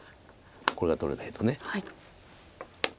これが取れないと。